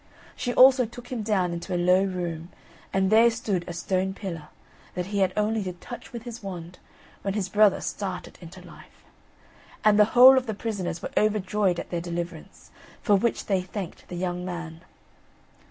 She also took him down into a low room, and there stood a stone pillar, that he had only to touch with his wand, when his brother started into life. And the whole of the prisoners were overjoyed at their deliverance, for which they thanked the young man.